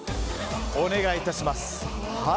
お願い致します。